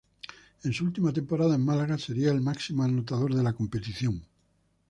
En su última temporada en Málaga sería el máximo anotador de la competición.